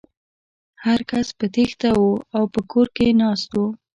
هر کس په تېښته و او په کور کې ناست و.